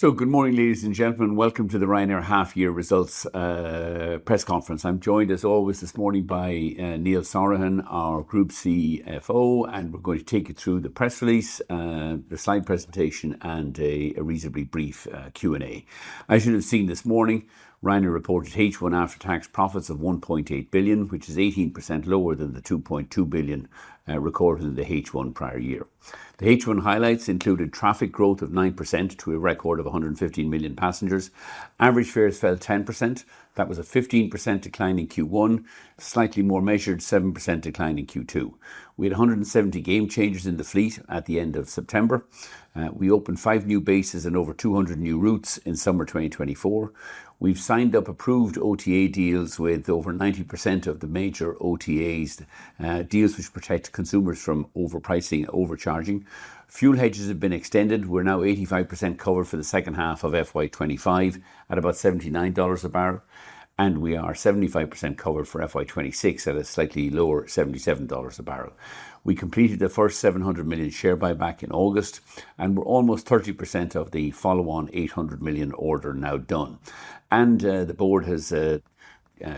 Good morning, ladies and gentlemen. Welcome to the Ryanair half-year results press conference. I'm joined, as always, this morning by Neil Sorahan, our Group CFO, and we're going to take you through the press release, the slide presentation, and a reasonably brief Q&A. As you have seen this morning, Ryanair reported H1 after-tax profits of 1.8 billion, which is 18% lower than the 2.2 billion recorded in the H1 prior year. The H1 highlights included traffic growth of 9% to a record of 115 million passengers. Average fares fell 10%. That was a 15% decline in Q1, slightly more measured 7% decline in Q2. We had 170 Gamechangers in the fleet at the end of September. We opened five new bases and over 200 new routes in Summer 2024. We've signed up approved OTA deals with over 90% of the major OTAs, deals which protect consumers from overpricing and overcharging. Fuel hedges have been extended. We're now 85% covered for the second half of FY 2025 at about $79 a barrel, and we are 75% covered for FY 2026 at a slightly lower $77 a barrel. We completed the first 700 million share buyback in August, and we're almost 30% of the follow-on 800 million order now done, and the board has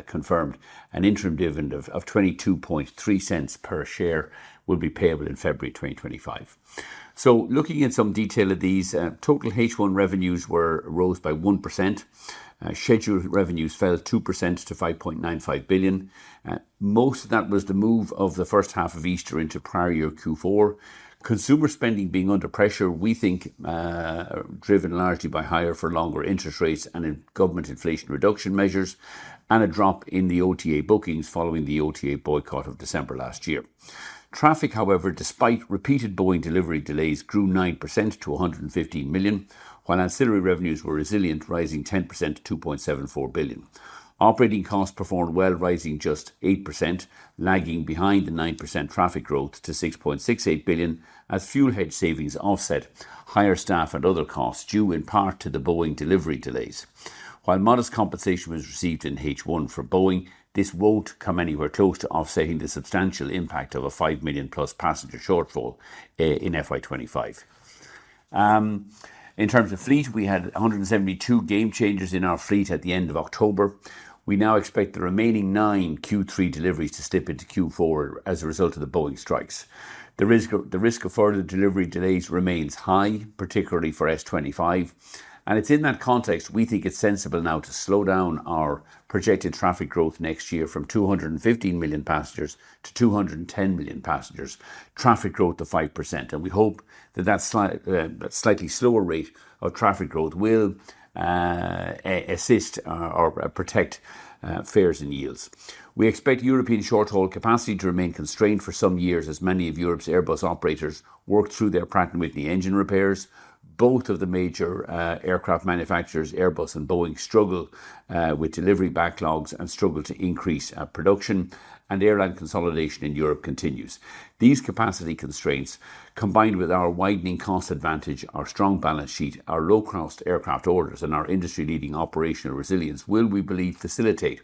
confirmed an interim dividend of 0.223 per share will be payable in February 2025, so looking at some detail of these, total H1 revenues were rose by 1%. Scheduled revenues fell 2% to 5.95 billion. Most of that was the move of the first half of Easter into prior year Q4. Consumer spending being under pressure, we think, driven largely by higher for longer interest rates and in government inflation reduction measures, and a drop in the OTA bookings following the OTA boycott of December last year. Traffic, however, despite repeated Boeing delivery delays, grew 9% to 115 million, while ancillary revenues were resilient, rising 10% to 2.74 billion. Operating costs performed well, rising just 8%, lagging behind the 9% traffic growth to 6.68 billion as fuel hedge savings offset higher staff and other costs due in part to the Boeing delivery delays. While modest compensation was received in H1 for Boeing, this won't come anywhere close to offsetting the substantial impact of a 5 million plus passenger shortfall, in FY25. In terms of fleet, we had 172 Gamechangers in our fleet at the end of October. We now expect the remaining nine Q3 deliveries to step into Q4 as a result of the Boeing strikes. The risk of further delivery delays remains high, particularly for S25, and it's in that context we think it's sensible now to slow down our projected traffic growth next year from 215 million passengers to 210 million passengers, traffic growth of 5%. We hope that that slightly slower rate of traffic growth will assist or protect fares and yields. We expect European short-haul capacity to remain constrained for some years as many of Europe's Airbus operators work through their Pratt & Whitney engine repairs. Both of the major aircraft manufacturers, Airbus and Boeing, struggle with delivery backlogs and to increase production, and airline consolidation in Europe continues. These capacity constraints, combined with our widening cost advantage, our strong balance sheet, our low-cost aircraft orders, and our industry-leading operational resilience, will we believe facilitate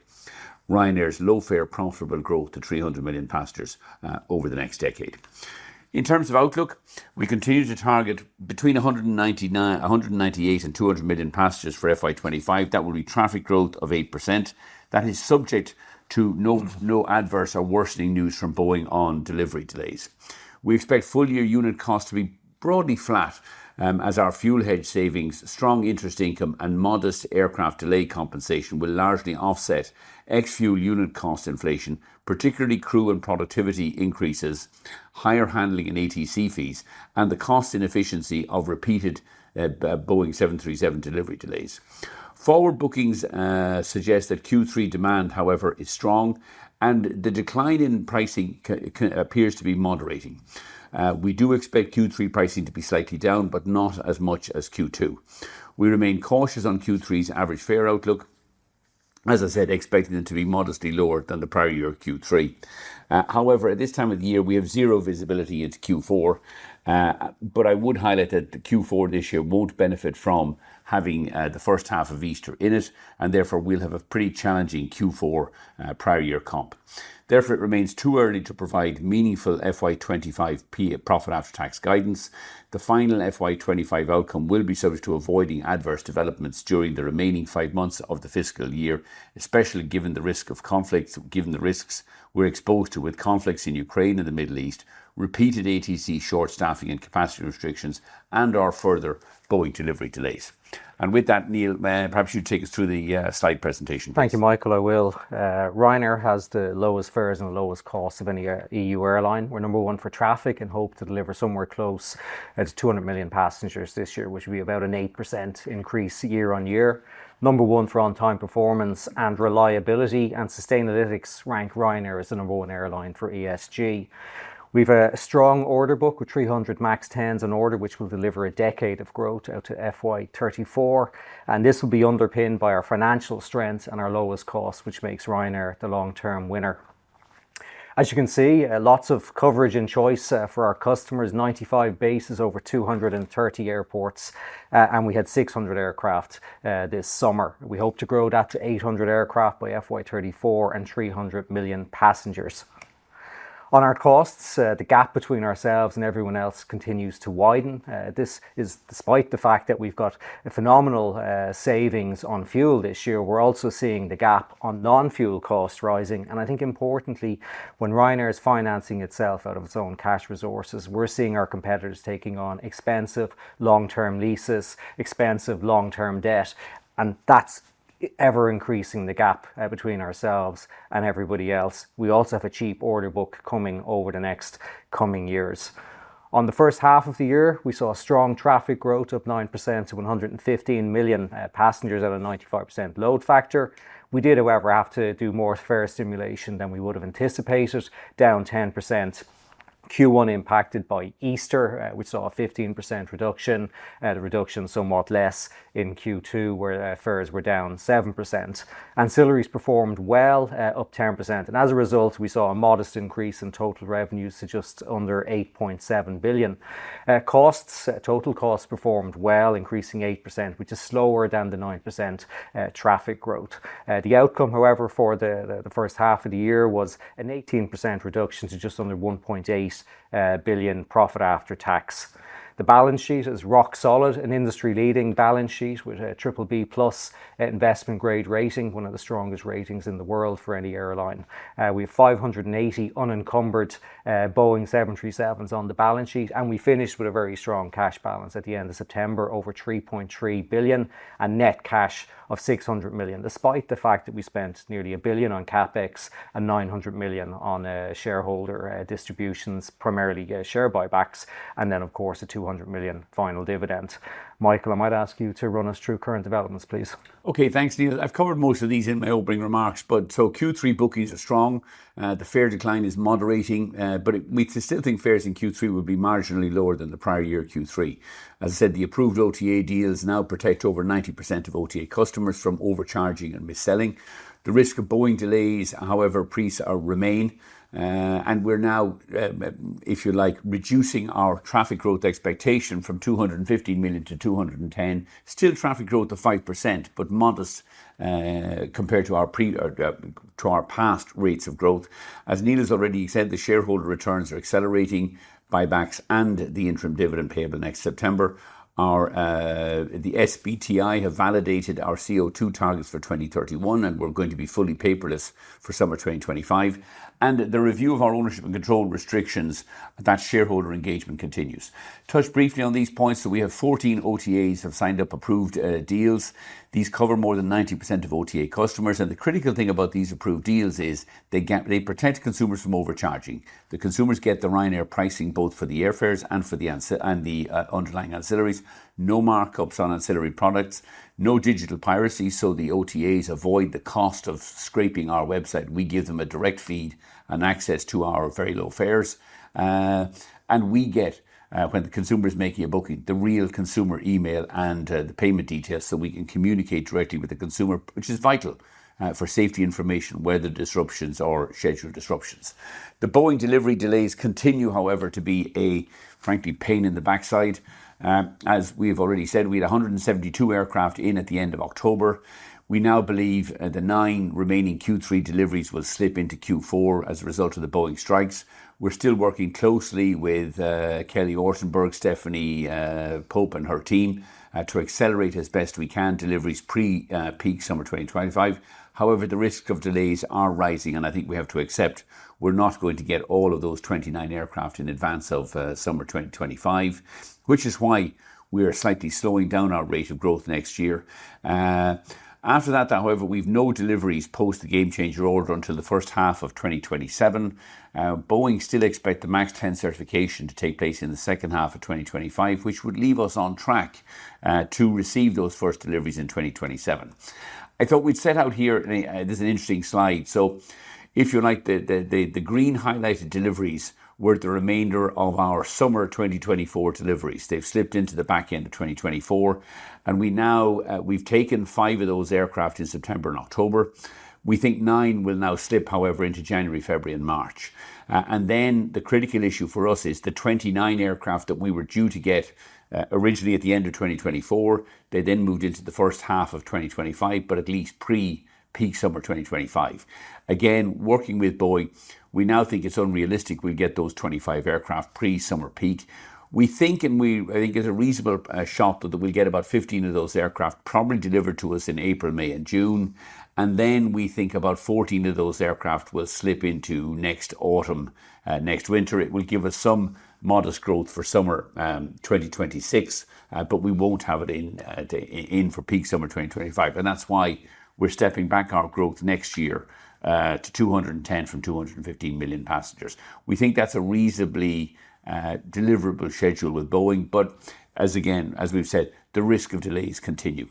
Ryanair's low-fare profitable growth to 300 million passengers over the next decade. In terms of outlook, we continue to target between 199, 198, and 200 million passengers for FY 2025. That will be traffic growth of 8%. That is subject to no adverse or worsening news from Boeing on delivery delays. We expect full-year unit cost to be broadly flat, as our fuel hedge savings, strong interest income, and modest aircraft delay compensation will largely offset ex-fuel unit cost inflation, particularly crew and productivity increases, higher handling and ATC fees, and the cost inefficiency of repeated Boeing 737 delivery delays. Forward bookings suggest that Q3 demand, however, is strong, and the decline in pricing curve appears to be moderating. We do expect Q3 pricing to be slightly down, but not as much as Q2. We remain cautious on Q3's average fare outlook. As I said, expecting them to be modestly lower than the prior year Q3. However, at this time of the year, we have zero visibility into Q4, but I would highlight that Q4 this year won't benefit from having the first half of Easter in it, and therefore we'll have a pretty challenging Q4 prior year comp. Therefore, it remains too early to provide meaningful FY 2025 profit after-tax guidance. The final FY 2025 outcome will be subject to avoiding adverse developments during the remaining five months of the fiscal year, especially given the risk of conflicts, given the risks we're exposed to with conflicts in Ukraine and the Middle East, repeated ATC short-staffing and capacity restrictions, and our further Boeing delivery delays. With that, Neil, perhaps you'd take us through the slide presentation. Thank you, Michael. I will. Ryanair has the lowest fares and the lowest costs of any EU airline. We're number one for traffic and hope to deliver somewhere close to 200 million passengers this year, which would be about an 8% increase year on year. Number one for on-time performance and reliability, and sustainability ranks Ryanair as the number one airline for ESG. We've a strong order book with 300 MAX 10s on order, which will deliver a decade of growth out to FY34, and this will be underpinned by our financial strength and our lowest costs, which makes Ryanair the long-term winner. As you can see, lots of coverage and choice for our customers, 95 bases over 230 airports, and we had 600 aircraft this summer. We hope to grow that to 800 aircraft by FY34 and 300 million passengers. On our costs, the gap between ourselves and everyone else continues to widen. This is despite the fact that we've got phenomenal savings on fuel this year. We're also seeing the gap on non-fuel costs rising, and I think importantly, when Ryanair is financing itself out of its own cash resources, we're seeing our competitors taking on expensive long-term leases, expensive long-term debt, and that's ever-increasing the gap between ourselves and everybody else. We also have a cheap order book coming over the next coming years. On the first half of the year, we saw strong traffic growth of 9% to 115 million passengers at a 95% load factor. We did, however, have to do more fare stimulation than we would have anticipated, down 10%. Q1 impacted by Easter, we saw a 15% reduction, the reduction somewhat less in Q2 where fares were down 7%. Ancillaries performed well, up 10%, and as a result, we saw a modest increase in total revenues to just under 8.7 billion. Costs, total costs performed well, increasing 8%, which is slower than the 9% traffic growth. The outcome, however, for the first half of the year was an 18% reduction to just under 1.8 billion profit after-tax. The balance sheet is rock solid, an industry-leading balance sheet with a BBB+ investment grade rating, one of the strongest ratings in the world for any airline. We have 580 unencumbered Boeing 737s on the balance sheet, and we finished with a very strong cash balance at the end of September over 3.3 billion and net cash of 600 million, despite the fact that we spent nearly 1 billion on CapEx and 900 million on shareholder distributions, primarily share buybacks, and then, of course, a 200 million final dividend. Michael, I might ask you to run us through current developments, please. Okay, thanks, Neil. I've covered most of these in my opening remarks, but so Q3 bookings are strong. The fare decline is moderating, but we still think fares in Q3 will be marginally lower than the prior year Q3. As I said, the approved OTA deals now protect over 90% of OTA customers from overcharging and mis-selling. The risk of Boeing delays, however, pressures remain, and we're now, if you like, reducing our traffic growth expectation from 215 million to 210 million, still traffic growth of 5%, but modest, compared to our past rates of growth. As Neil has already said, the shareholder returns are accelerating, buybacks, and the interim dividend payable next September. The SBTi have validated our CO2 targets for 2031, and we're going to be fully paperless for summer 2025. The review of our ownership and control restrictions, that shareholder engagement continues. Touch briefly on these points. We have 14 OTAs have signed up approved deals. These cover more than 90% of OTA customers. The critical thing about these approved deals is they get, they protect consumers from overcharging. The consumers get the Ryanair pricing both for the airfares and for the ancillary, and the underlying ancillaries. No markups on ancillary products, no digital piracy. The OTAs avoid the cost of scraping our website. We give them a direct feed and access to our very low fares, and we get, when the consumer is making a booking, the real consumer email and the payment details so we can communicate directly with the consumer, which is vital for safety information, whether disruptions or scheduled disruptions. The Boeing delivery delays continue, however, to be a, frankly, pain in the backside. As we've already said, we had 172 aircraft in at the end of October. We now believe the nine remaining Q3 deliveries will slip into Q4 as a result of the Boeing strikes. We're still working closely with Kelly Ortberg, Stephanie Pope, and her team, to accelerate as best we can deliveries pre-peak summer 2025. However, the risk of delays are rising, and I think we have to accept we're not going to get all of those 29 aircraft in advance of summer 2025, which is why we are slightly slowing down our rate of growth next year. After that, however, we've no deliveries post the Gamechanger order until the first half of 2027. Boeing still expects the MAX 10 certification to take place in the second half of 2025, which would leave us on track to receive those first deliveries in 2027. I thought we'd set out here. This is an interesting slide. So if you like, the green highlighted deliveries were the remainder of our summer 2024 deliveries. They've slipped into the back end of 2024, and we now, we've taken five of those aircraft in September and October. We think nine will now slip, however, into January, February, and March, and then the critical issue for us is the 29 aircraft that we were due to get, originally at the end of 2024. They then moved into the first half of 2025, but at least pre-peak summer 2025. Again, working with Boeing, we now think it's unrealistic we get those 25 aircraft pre-summer peak. We think it's a reasonable shot that we'll get about 15 of those aircraft probably delivered to us in April, May, and June. And then we think about 14 of those aircraft will slip into next autumn, next winter. It will give us some modest growth for summer 2026, but we won't have it in for peak summer 2025. And that's why we're stepping back our growth next year, to 210 from 215 million passengers. We think that's a reasonably deliverable schedule with Boeing, but as we've said, the risk of delays continue.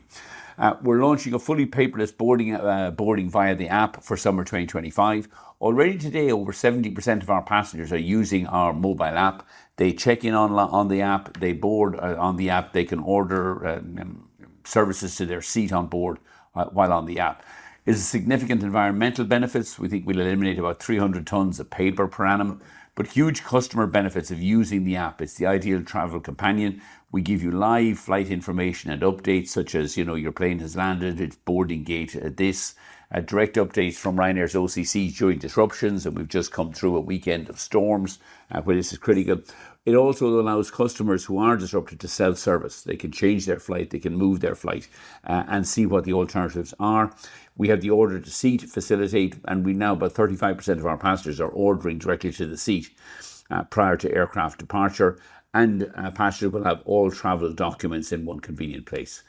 We're launching a fully paperless boarding via the app for summer 2025. Already today, over 70% of our passengers are using our mobile app. They check in on the app. They board on the app. They can order services to their seat on board while on the app. It's a significant environmental benefit. We think we'll eliminate about 300 tons of paper per annum, but huge customer benefits of using the app. It's the ideal travel companion. We give you live flight information and updates such as, you know, your plane has landed, its boarding gate at this, direct updates from Ryanair's OCC during disruptions, and we've just come through a weekend of storms, where this is critical. It also allows customers who are disrupted to self-service. They can change their flight. They can move their flight, and see what the alternatives are. We have the option to select seats, and we now have about 35% of our passengers ordering directly to the seat, prior to aircraft departure, and passengers will have all travel documents in one convenient place.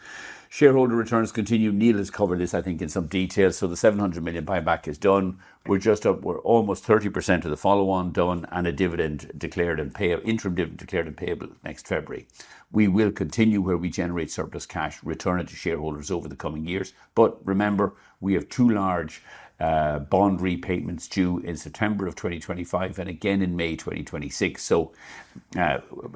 Shareholder returns continue. Neil has covered this, I think, in some detail, so the 700 million buyback is done. We're just up, we're almost 30% of the follow-on done, and a dividend declared and payable, interim dividend declared and payable next February. We will continue where we generate surplus cash, return it to shareholders over the coming years. But remember, we have two large bond repayments due in September of 2025 and again in May 2026. So,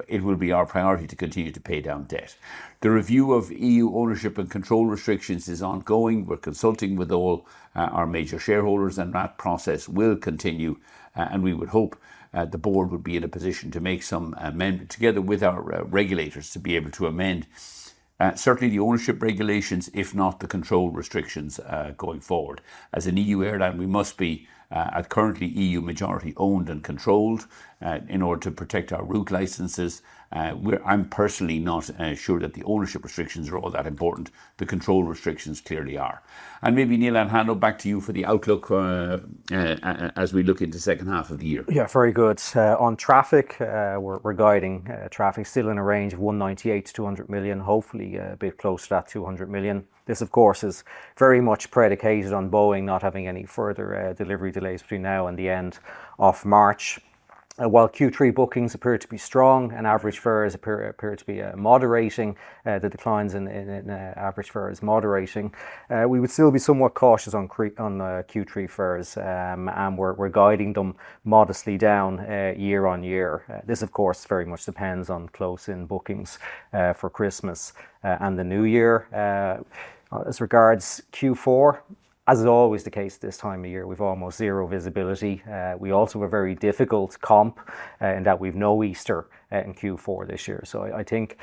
it will be our priority to continue to pay down debt. The review of EU ownership and control restrictions is ongoing. We're consulting with all our major shareholders, and that process will continue, and we would hope the board would be in a position to make some amendment together with our regulators to be able to amend, certainly the ownership regulations, if not the control restrictions, going forward. As an EU airline, we must be currently EU majority owned and controlled, in order to protect our route licenses. We're. I'm personally not sure that the ownership restrictions are all that important. The control restrictions clearly are. And maybe, Neil, I'll hand back to you for the outlook, as we look into the second half of the year. Yeah, very good. On traffic, we're guiding traffic still in a range of 198-200 million, hopefully a bit close to that 200 million. This, of course, is very much predicated on Boeing not having any further delivery delays between now and the end of March. While Q3 bookings appear to be strong and average fares appear to be moderating, the declines in average fares moderating. We would still be somewhat cautious on Q3 fares, and we're guiding them modestly down year on year. This, of course, very much depends on close-in bookings for Christmas and the new year. As regards Q4, as is always the case this time of year, we've almost zero visibility. We also have a very difficult comp in that we've no Easter in Q4 this year. I think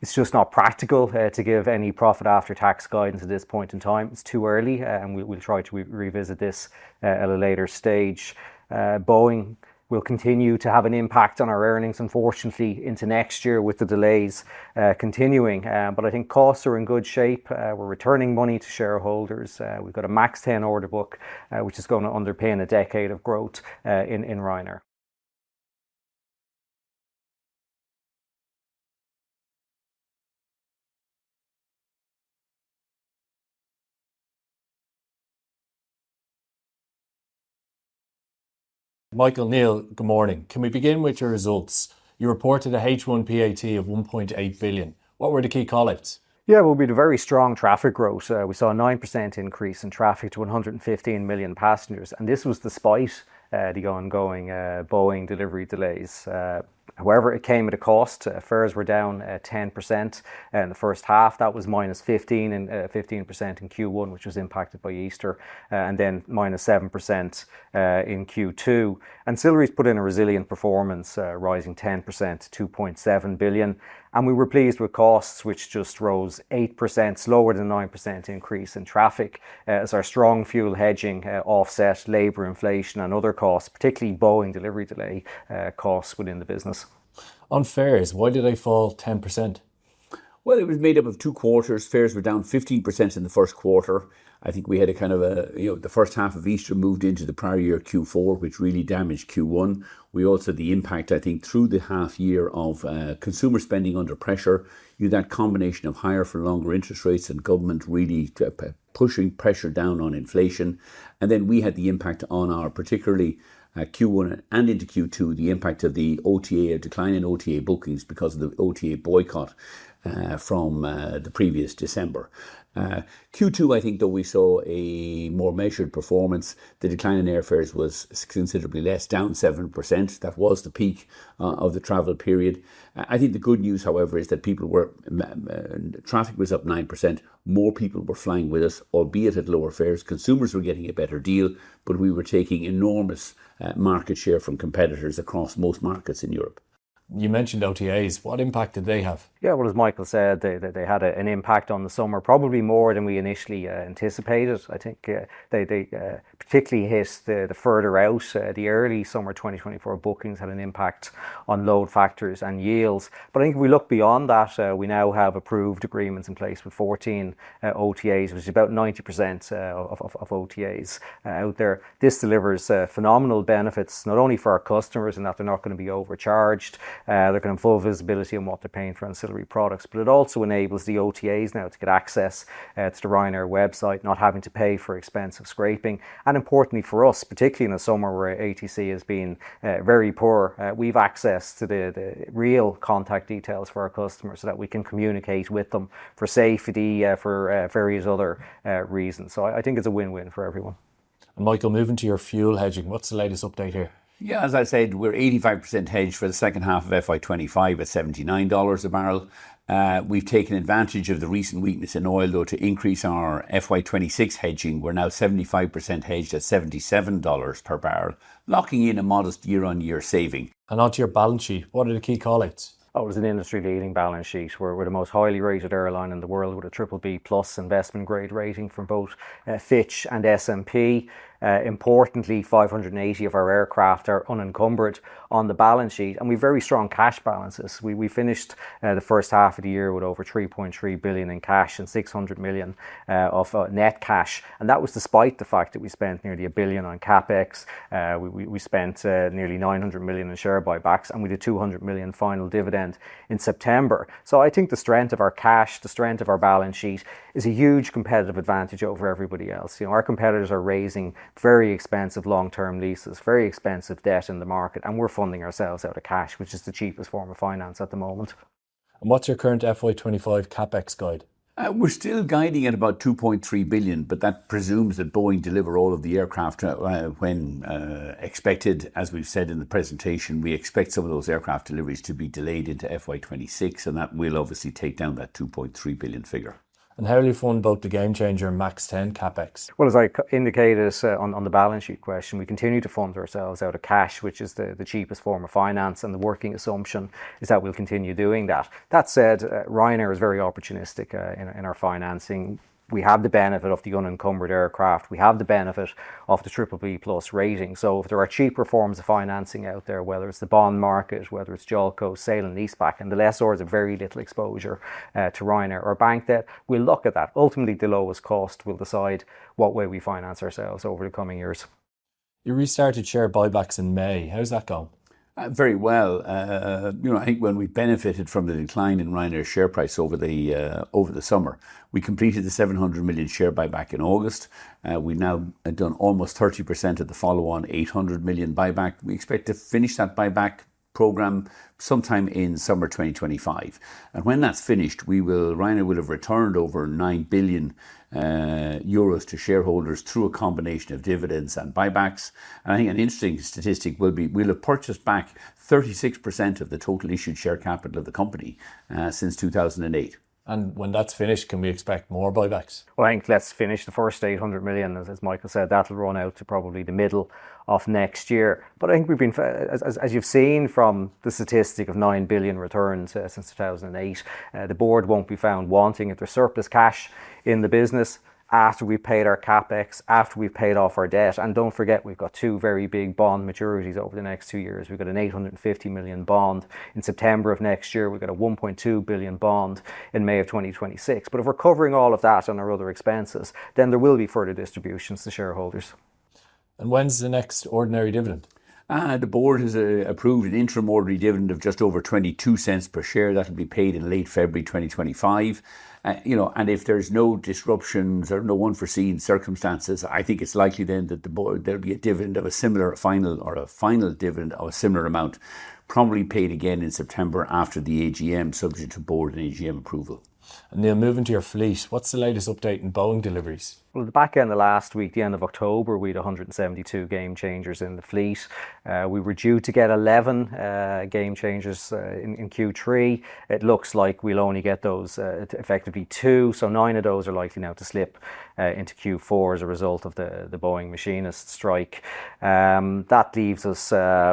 it's just not practical to give any profit after-tax guidance at this point in time. It's too early, and we'll try to revisit this at a later stage. Boeing will continue to have an impact on our earnings, unfortunately, into next year with the delays continuing. But I think costs are in good shape. We're returning money to shareholders. We've got a MAX 10 order book, which is going to underpin a decade of growth in Ryanair. Michael, Neil, good morning. Can we begin with your results? You reported a H1 PAT of 1.8 billion. What were the key drivers? Yeah, well, we had a very strong traffic growth. We saw a 9% increase in traffic to 115 million passengers, and this was despite the ongoing Boeing delivery delays. However, it came at a cost. Fares were down 10% in the first half. That was minus 15% in Q1, which was impacted by Easter, and then minus 7% in Q2. Ancillaries put in a resilient performance, rising 10% to 2.7 billion, and we were pleased with costs, which just rose 8%, slower than a 9% increase in traffic, as our strong fuel hedging offset labor inflation and other costs, particularly Boeing delivery delay costs within the business. On fares, why did they fall 10%? It was made up of two quarters. Fares were down 15% in the first quarter. I think we had a kind of a, you know, the first half of Easter moved into the prior year Q4, which really damaged Q1. We also had the impact, I think, through the half year of, consumer spending under pressure, you know, that combination of higher for longer interest rates and government really, pushing pressure down on inflation. Then we had the impact on our, particularly, Q1 and into Q2, the impact of the OTA, a decline in OTA bookings because of the OTA boycott, from, the previous December. Q2, I think, though we saw a more measured performance. The decline in airfares was considerably less, down 7%. That was the peak, of the travel period. I think the good news, however, is that people were, traffic was up 9%. More people were flying with us, albeit at lower fares. Consumers were getting a better deal, but we were taking enormous market share from competitors across most markets in Europe. You mentioned OTAs. What impact did they have? Yeah, well, as Michael said, they had an impact on the summer, probably more than we initially anticipated. I think they particularly hit the further out, the early summer 2024 bookings had an impact on load factors and yields. But I think if we look beyond that, we now have approved agreements in place with 14 OTAs, which is about 90% of OTAs out there. This delivers phenomenal benefits not only for our customers in that they're not going to be overcharged, they're going to have full visibility on what they're paying for ancillary products, but it also enables the OTAs now to get access to the Ryanair website, not having to pay for expensive scraping. Importantly for us, particularly in a summer where ATC has been very poor, we've accessed the real contact details for our customers so that we can communicate with them for safety, for various other reasons. I think it's a win-win for everyone. Michael, moving to your fuel hedging. What's the latest update here? Yeah, as I said, we're 85% hedged for the second half of FY 2025 at $79 a barrel. We've taken advantage of the recent weakness in oil, though, to increase our FY 2026 hedging. We're now 75% hedged at $77 per barrel, locking in a modest year-on-year saving. Onto your balance sheet, what are the key callouts? Oh, it was an industry-leading balance sheet. We're the most highly rated airline in the world with a triple B plus investment grade rating from both Fitch and S&P. Importantly, 580 of our aircraft are unencumbered on the balance sheet, and we have very strong cash balances. We finished the first half of the year with over 3.3 billion in cash and 600 million of net cash. And that was despite the fact that we spent nearly 1 billion on CapEx. We spent nearly 900 million in share buybacks, and we did 200 million final dividend in September. So I think the strength of our cash, the strength of our balance sheet is a huge competitive advantage over everybody else. You know, our competitors are raising very expensive long-term leases, very expensive debt in the market, and we're funding ourselves out of cash, which is the cheapest form of finance at the moment. What's your current FY 2025 CapEx guide? We're still guiding at about 2.3 billion, but that presumes that Boeing deliver all of the aircraft when expected, as we've said in the presentation. We expect some of those aircraft deliveries to be delayed into FY 2026, and that will obviously take down that 2.3 billion figure. And how do you fund both the Gamechanger and MAX 10 CapEx? As I indicated, on the balance sheet question, we continue to fund ourselves out of cash, which is the cheapest form of finance, and the working assumption is that we'll continue doing that. That said, Ryanair is very opportunistic in our financing. We have the benefit of the unencumbered aircraft. We have the benefit of the triple B plus rating. So if there are cheaper forms of financing out there, whether it's the bond market, whether it's JOLCO sale-and-leaseback, and the latter is very little exposure to Ryanair or bank debt, we'll look at that. Ultimately, the lowest cost will decide what way we finance ourselves over the coming years. You restarted share buybacks in May. How's that gone? Very well. You know, I think when we benefited from the decline in Ryanair's share price over the summer, we completed the 700 million share buyback in August. We've now done almost 30% of the follow-on 800 million buyback. We expect to finish that buyback program sometime in summer 2025. When that's finished, we will. Ryanair will have returned over 9 billion euros to shareholders through a combination of dividends and buybacks. I think an interesting statistic will be. We'll have purchased back 36% of the total issued share capital of the company since 2008. When that's finished, can we expect more buybacks? I think let's finish the first 800 million, as Michael said. That'll run out to probably the middle of next year, but I think we've been, as you've seen from the statistic of 9 billion returns, since 2008, the board won't be found wanting it. There's surplus cash in the business after we've paid our CapEx, after we've paid off our debt, and don't forget, we've got two very big bond maturities over the next two years. We've got an 850 million bond in September of next year. We've got a 1.2 billion bond in May of 2026, but if we're covering all of that and our other expenses, then there will be further distributions to shareholders. When's the next ordinary dividend? The board has approved an interim ordinary dividend of just over 0.22 per share that will be paid in late February 2025. You know, and if there's no disruptions or no unforeseen circumstances, I think it's likely then that the board, there'll be a dividend of a similar final or a final dividend of a similar amount, probably paid again in September after the AGM, subject to board and AGM approval. Neil, moving to your fleet. What's the latest update in Boeing deliveries? Well, at the back end of last week, the end of October, we had 172 Gamechangers in the fleet. We were due to get 11 Gamechangers in, in Q3. It looks like we'll only get those, effectively two. So nine of those are likely now to slip into Q4 as a result of the Boeing machinist strike. That leaves us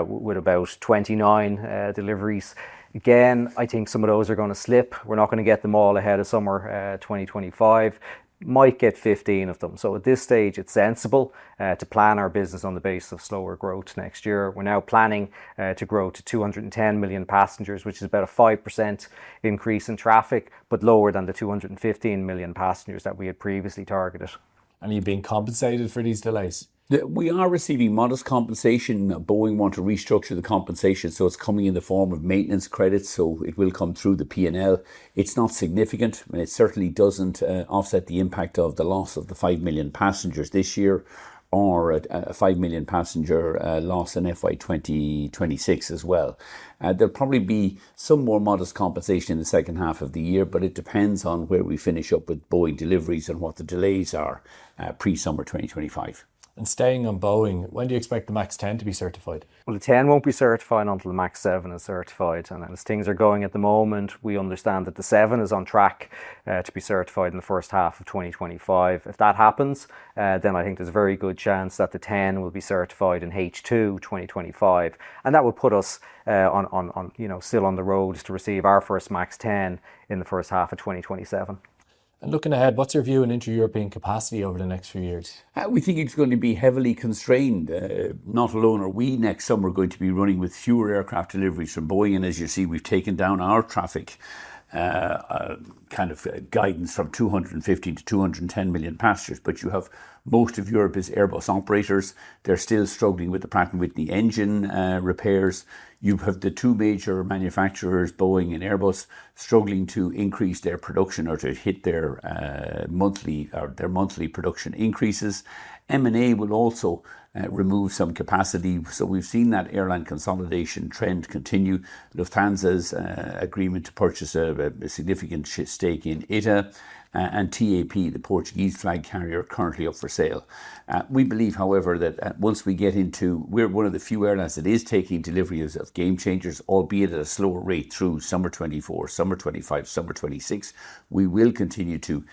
with about 29 deliveries. Again, I think some of those are going to slip. We're not going to get them all ahead of summer 2025. Might get 15 of them. So at this stage, it's sensible to plan our business on the basis of slower growth next year. We're now planning to grow to 210 million passengers, which is about a 5% increase in traffic, but lower than the 215 million passengers that we had previously targeted. You've been compensated for these delays? We are receiving modest compensation. Boeing want to restructure the compensation, so it's coming in the form of maintenance credits, so it will come through the P&L. It's not significant, and it certainly doesn't offset the impact of the loss of the 5 million passengers this year or a 5 million passenger loss in FY 2026 as well. There'll probably be some more modest compensation in the second half of the year, but it depends on where we finish up with Boeing deliveries and what the delays are, pre-summer 2025. Staying on Boeing, when do you expect the MAX 10 to be certified? The 10 won't be certified until the MAX 7 is certified. As things are going at the moment, we understand that the 7 is on track to be certified in the first half of 2025. If that happens, then I think there's a very good chance that the 10 will be certified in H2 2025. That will put us on, you know, still on the road to receive our first MAX 10 in the first half of 2027. Looking ahead, what's your view on inter-European capacity over the next few years? We think it's going to be heavily constrained. Not alone are we. Next summer, we're going to be running with fewer aircraft deliveries from Boeing. And as you see, we've taken down our traffic, kind of, guidance from 215 to 210 million passengers. But you have most of Europe's Airbus operators. They're still struggling with the Pratt & Whitney engine repairs. You have the two major manufacturers, Boeing and Airbus, struggling to increase their production or to hit their monthly production increases. M&A will also remove some capacity. So we've seen that airline consolidation trend continue. Lufthansa's agreement to purchase a significant stake in ITA, and TAP, the Portuguese flag carrier, currently up for sale. We believe, however, that once we get into, we're one of the few airlines that is taking deliveries of Gamechangers, albeit at a slower rate through Summer 2024, Summer 2025, Summer 2026. We will continue to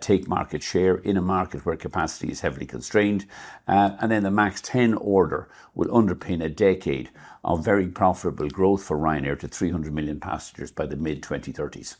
take market share in a market where capacity is heavily constrained, and then the MAX 10 order will underpin a decade of very profitable growth for Ryanair to 300 million passengers by the mid-2030s.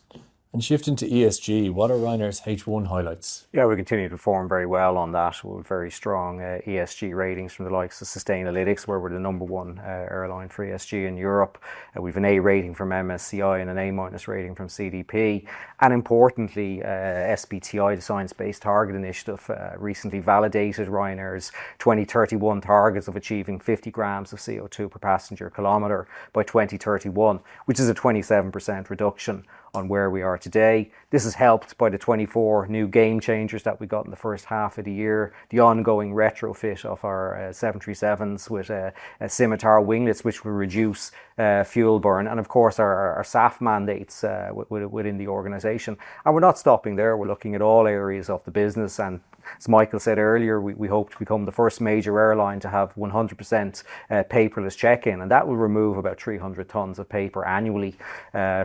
Shifting to ESG, what are Ryanair's H1 highlights? Yeah, we continue to perform very well on that. We're very strong ESG ratings from the likes of Sustainalytics, where we're the number one airline for ESG in Europe. We've an A rating from MSCI and an A-rating from CDP, and importantly, SBTi, the Science Based Targets initiative, recently validated Ryanair's 2031 targets of achieving 50 grams of CO2 per passenger kilometer by 2031, which is a 27% reduction on where we are today. This is helped by the 24 new Gamechangers that we got in the first half of the year, the ongoing retrofit of our 737s with Scimitar winglets, which will reduce fuel burn, and of course, our SAF mandates within the organization, and we're not stopping there. We're looking at all areas of the business. As Michael said earlier, we hope to become the first major airline to have 100% paperless check-in. That will remove about 300 tons of paper annually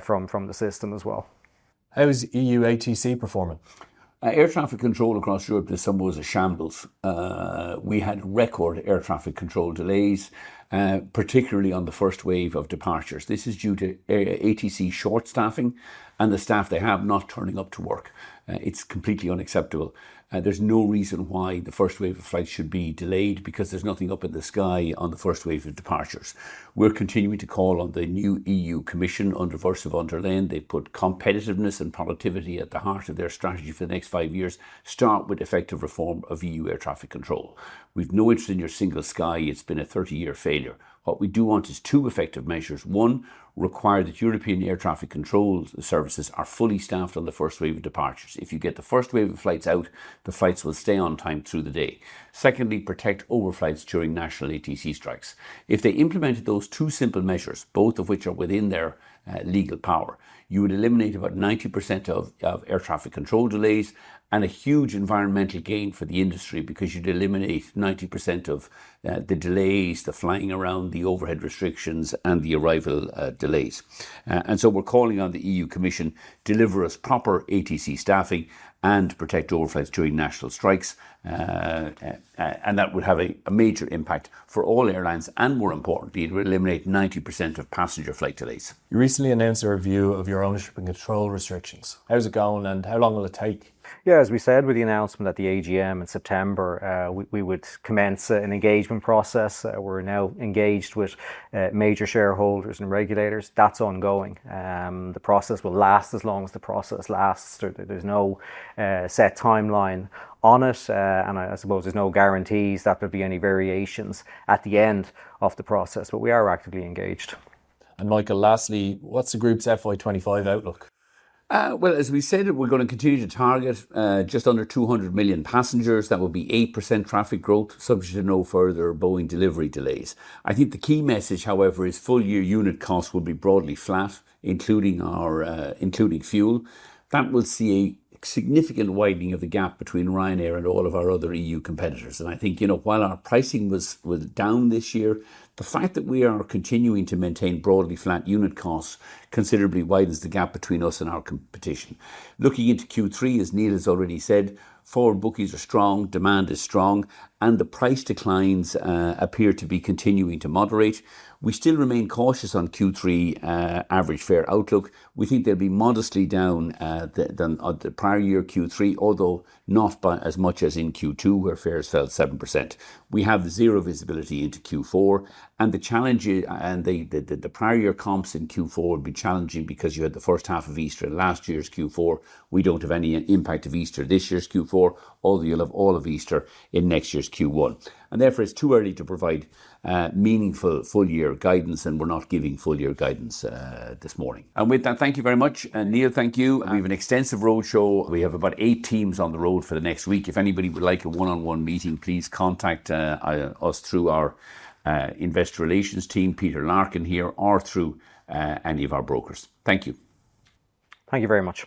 from the system as well. How is EU ATC performing? Air traffic control across Europe this summer was a shambles. We had record air traffic control delays, particularly on the first wave of departures. This is due to ATC short-staffing and the staff they have not turning up to work. It's completely unacceptable. There's no reason why the first wave of flights should be delayed because there's nothing up in the sky on the first wave of departures. We're continuing to call on the new EU Commission under Ursula von der Leyen. They put competitiveness and productivity at the heart of their strategy for the next five years. Start with effective reform of EU air traffic control. We've no interest in your Single Sky. It's been a 30-year failure. What we do want is two effective measures. One, require that European air traffic control services are fully staffed on the first wave of departures. If you get the first wave of flights out, the flights will stay on time through the day. Secondly, protect overflights during national ATC strikes. If they implemented those two simple measures, both of which are within their legal power, you would eliminate about 90% of air traffic control delays and a huge environmental gain for the industry because you'd eliminate 90% of the delays, the flying around, the overhead restrictions, and the arrival delays. So we're calling on the EU Commission, deliver us proper ATC staffing and protect overflights during national strikes. That would have a major impact for all airlines and, more importantly, it would eliminate 90% of passenger flight delays. You recently announced a review of your ownership and control restrictions. How's it going and how long will it take? Yeah, as we said, with the announcement at the AGM in September, we would commence an engagement process. We're now engaged with major shareholders and regulators. That's ongoing. The process will last as long as the process lasts. There's no set timeline on it, and I suppose there's no guarantees that there'd be any variations at the end of the process, but we are actively engaged. Michael, lastly, what's the group's FY 2025 outlook? Well, as we said, we're going to continue to target just under 200 million passengers. That will be 8% traffic growth, subject to no further Boeing delivery delays. I think the key message, however, is full year unit costs will be broadly flat, including fuel. That will see a significant widening of the gap between Ryanair and all of our other EU competitors. And I think, you know, while our pricing was down this year, the fact that we are continuing to maintain broadly flat unit costs considerably widens the gap between us and our competition. Looking into Q3, as Neil has already said, forward bookings are strong, demand is strong, and the price declines appear to be continuing to moderate. We still remain cautious on Q3 average fare outlook. We think they'll be modestly down than the prior year Q3, although not by as much as in Q2, where fares fell 7%. We have zero visibility into Q4, and the challenge and the prior year comps in Q4 will be challenging because you had the first half of Easter in last year's Q4. We don't have any impact of Easter this year's Q4, although you'll have all of Easter in next year's Q1. And therefore, it's too early to provide meaningful full year guidance, and we're not giving full year guidance this morning. And with that, thank you very much. Neil, thank you. We have an extensive roadshow. We have about eight teams on the road for the next week. If anybody would like a one-on-one meeting, please contact us through our investor relations team, Peter Larkin here, or through any of our brokers. Thank you. Thank you very much.